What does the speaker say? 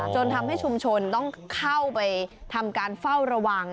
จนทำให้ชุมชนต้องเข้าไปทำการเฝ้าระวัง